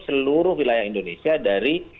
seluruh wilayah indonesia dari